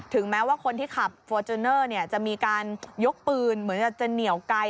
แม้ว่าคนที่ขับฟอร์จูเนอร์จะมีการยกปืนเหมือนจะเหนียวไกล